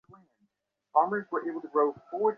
তোর ভাই বলে কষ্ট পাচ্ছিস, তাই না?